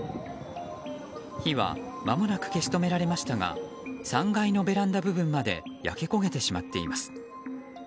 火はまもなく消し止められましたが３階のベランダ部分まで焼け焦げてしまっています。